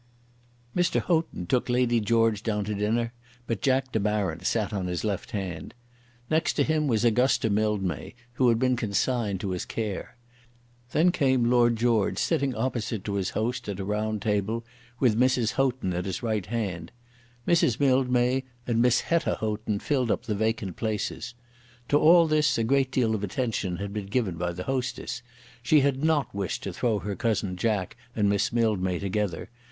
Mr. Houghton took Lady George down to dinner; but Jack De Baron sat on his left hand. Next to him was Augusta Mildmay, who had been consigned to his care. Then came Lord George sitting opposite to his host at a round table, with Mrs. Houghton at his right hand. Mrs. Mildmay and Miss Hetta Houghton filled up the vacant places. To all this a great deal of attention had been given by the hostess. She had not wished to throw her cousin Jack and Miss Mildmay together.